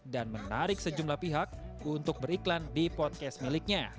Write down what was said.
dan menarik sejumlah pihak untuk beriklan di podcast miliknya